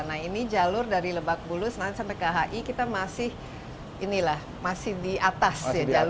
nah ini jalur dari lebak bulus sampai ke hi kita masih di atas